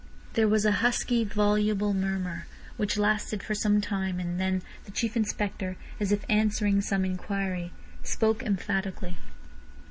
There was a husky, voluble murmur, which lasted for some time, and then the Chief Inspector, as if answering some inquiry, spoke emphatically.